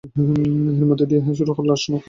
এরই মধ্যে শুরু হয়ে লাশ শনাক্তকরণ প্রক্রিয়া।